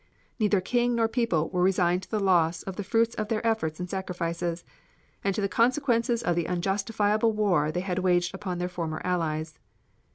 Neither King nor people were resigned to the loss of the fruits of their efforts and sacrifices, and to the consequences of the unjustifiable war they had waged upon their former allies.